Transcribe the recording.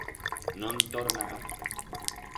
No'n torna garra.